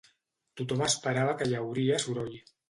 Tothom esperava que hi hauria soroll.